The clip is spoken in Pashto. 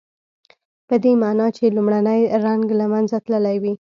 پدې معنی چې لومړنی رنګ له منځه تللی وي.